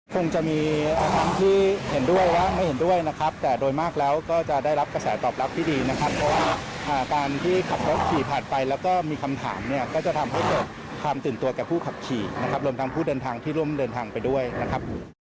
คงจะมีที่เห็นด้วยและไม่เห็นด้วยนะครับแต่โดยมากแล้วก็จะได้รับกระแสตอบรับที่ดีนะครับเพราะว่าการที่ขับรถขี่ผ่านไปแล้วก็มีคำถามเนี่ยก็จะทำให้เกิดความตื่นตัวแก่ผู้ขับขี่นะครับรวมทั้งผู้เดินทางที่ร่วมเดินทางไปด้วยนะครับ